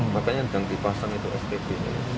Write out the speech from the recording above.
makanya yang dipasang itu spb